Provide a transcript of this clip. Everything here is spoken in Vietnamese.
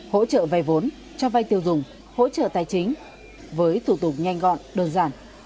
hỗ trợ vay vốn cho vay tiêu dùng hỗ trợ tài chính với thủ tục nhanh gọn đơn giản